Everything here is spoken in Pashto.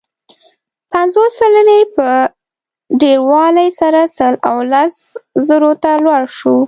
پنځوس سلنې په ډېروالي سره سل او لس زرو ته لوړ شو.